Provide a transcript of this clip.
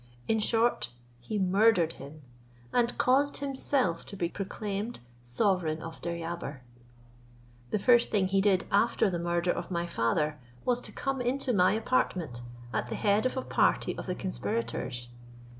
In short, he murdered him, and caused himself to be proclaimed sovereign of Deryabar. The first thing he did after the murder of my father was to come into my apartment, at the head of a party of the conspirators.